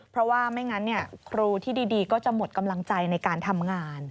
เพราะว่าไม่งั้นครูที่ดีก็จะหมดกำลังใจในการทำงาน